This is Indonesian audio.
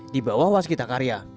di bawah waskita karya